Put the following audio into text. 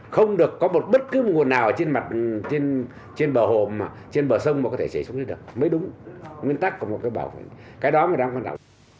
không được có bất cứ nguồn nào trên bờ sông mà có thể chạy xuống đây được mới đúng nguyên tắc của một cái bảo vệ cái đó mới đáng quan trọng